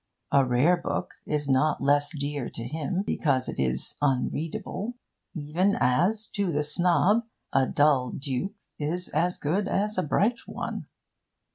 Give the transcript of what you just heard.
A rare book is not less dear to him because it is unreadable, even as to the snob a dull duke is as good as a bright one.